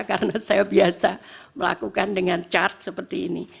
karena saya biasa melakukan dengan chart seperti ini